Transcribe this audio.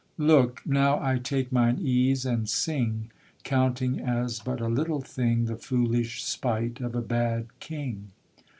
Look, now I take mine ease and sing, Counting as but a little thing The foolish spite of a bad king.